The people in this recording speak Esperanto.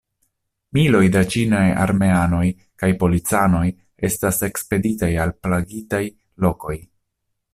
Miloj da ĉinaj armeanoj kaj policanoj estas ekspeditaj al plagitaj lokoj.